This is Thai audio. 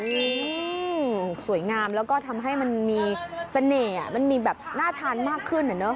อืมสวยงามแล้วก็ทำให้มันมีเสน่ห์อ่ะมันมีแบบน่าทานมากขึ้นอ่ะเนอะ